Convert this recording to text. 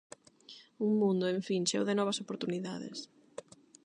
Un mundo, en fin, cheo de novas oportunidades.